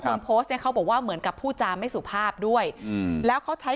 คนโพสต์เนี่ยเขาบอกว่าเหมือนกับพูดจาไม่สุภาพด้วยอืมแล้วเขาใช้